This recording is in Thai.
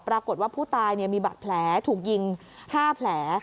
ปรากฏว่าผู้ตายมีบาดแผลถูกยิง๕แผล